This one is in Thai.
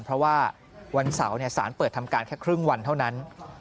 เพราะว่าวันเสาร์สารเปิดทำการแค่ครึ่งวันเท่านั้น